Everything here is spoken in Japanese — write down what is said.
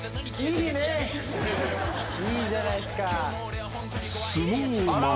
いいじゃないっすか。